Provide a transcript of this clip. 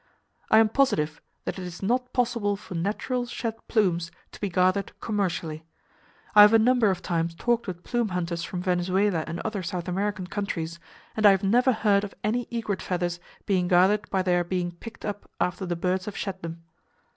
I am positive that it is not possible for natural shed plumes to be gathered commercially. I have a number of times talked with plume hunters from Venezuela and other South American countries, and I have never heard of any egret feathers being gathered by their being picked up after the birds have shed them.